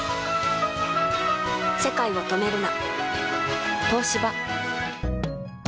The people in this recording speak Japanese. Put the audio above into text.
世界を、止めるな。